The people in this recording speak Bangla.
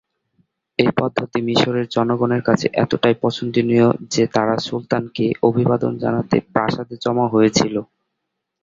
এই পদ্ধতি মিশরের জনগনের কাছে এতটাই পছন্দনীয় যে তারা সুলতানকে অভিবাদন জানাতে প্রাসাদে জমা হয়েছিল।